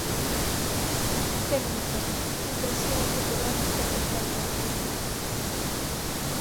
Técnica: Impresión fotográfica en branco e negro.